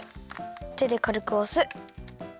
てでかるくおす。